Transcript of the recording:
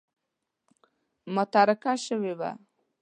متارکه شوې وه.